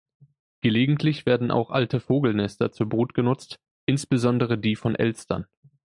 Gelegentlich werden auch alte Vogelnester zur Brut genutzt, insbesondere die von Elstern.